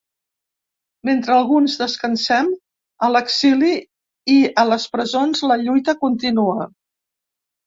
Mentre alguns descansem, a l'exili i a les presons la lluita continua.